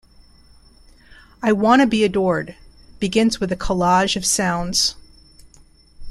"I Wanna Be Adored" begins with a collage of sounds.